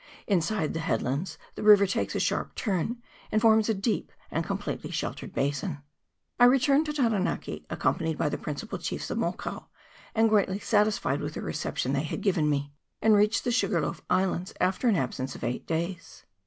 Inside the head lands the river takes a sharp turn, and forms a deep and completely sheltered basin. I returned to Taranaki accompanied by the prin cipal chiefs of Mokau, and greatly satisfied with the reception they had given me, and reached the Sugar loaf Islands after an absence of eight days.